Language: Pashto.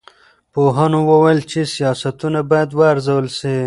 پوهانو وویل چې سیاستونه باید وارزول سي.